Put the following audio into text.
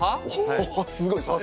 おすごい。